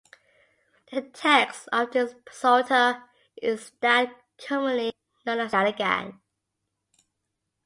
The text of this Psalter is that commonly known as the Gallican.